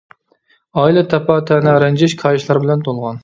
ئائىلە تاپا-تەنە، رەنجىش، كايىشلار بىلەن تولغان.